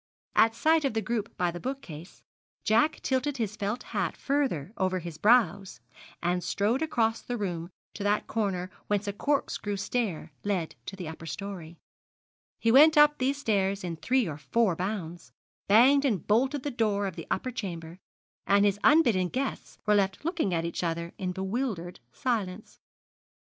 At sight of the group by the bookcase, Jack tilted his felt hat further over his brows, and strode across the room to that corner whence a cork screw stair led to the upper story. He went up these stairs in three or four bounds, banged and bolted the door of the upper chamber; and his unbidden guests were left looking at each other in bewildered silence.